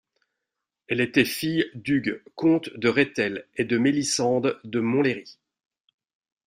Elle était fille d'Hugues, comte de Rethel, et de Mélisende de Montlhéry.